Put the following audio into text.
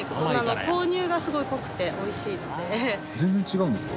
全然違うんですか？